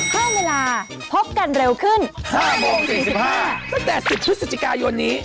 เพิ่มเวลาพบกันเร็วขึ้น๕โมง๔๕ตั้งแต่๑๐พฤศจิกายนนี้